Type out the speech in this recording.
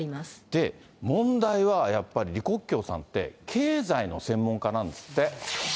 で、問題はやっぱり李克強さんって、経済の専門家なんですって。